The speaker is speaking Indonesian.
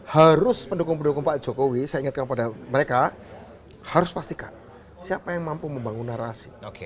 harus pendukung pendukung pak jokowi saya ingatkan pada mereka harus pastikan siapa yang mampu membangun narasi